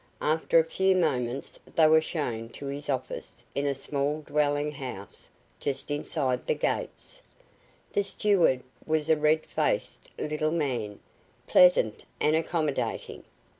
After a few moments they were shown to his office in a small dwelling house just inside the gates. The steward was a red faced little man, pleasant and accommodating.